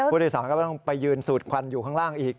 ผู้โดยสารก็ต้องไปยืนสูดควันอยู่ข้างล่างอีก